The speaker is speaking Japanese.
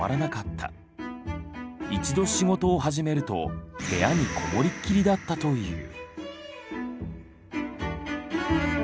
一度仕事を始めると部屋に籠もりきりだったという。